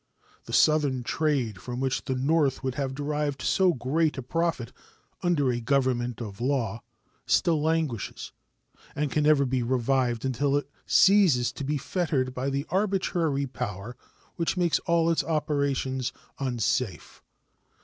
The Southern trade, from which the North would have derived so great a profit under a government of law, still languishes, and can never be revived until it ceases to be fettered by the arbitrary power which makes all its operations unsafe.